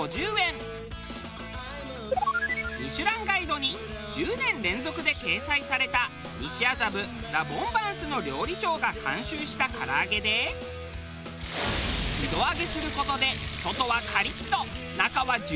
『ミシュランガイド』に１０年連続で掲載された西麻布ＬａＢＯＭＢＡＮＣＥの料理長が監修した唐揚げで二度揚げする事で外はカリッと中はジューシーな味わいに。